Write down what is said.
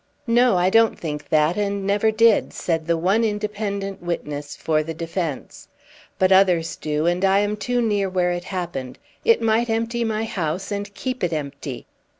"No, I don't think that, and never did," said the one independent witness for the defence. "But others do, and I am too near where it happened; it might empty my house and keep it empty."